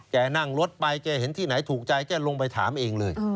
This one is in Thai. นั่งรถไปแกเห็นที่ไหนถูกใจแกลงไปถามเองเลย